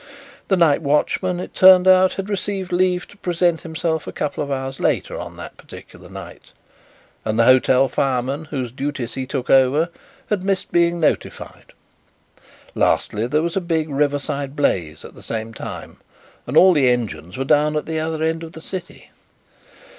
The night watchman, it turned out, had received leave to present himself a couple of hours later on that particular night, and the hotel fireman, whose duties he took over, had missed being notified. Lastly, there was a big riverside blaze at the same time and all the engines were down at the other end of the city."